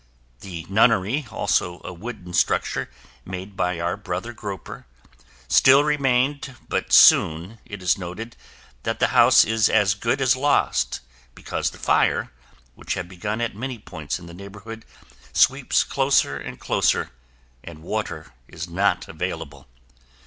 The nunnery, also a wooden structure made by our Brother Gropper, still remained but soon it is noted that the house is as good as lost because the fire, which had begun at many points in the neighborhood, sweeps closer and closer, and water is not available.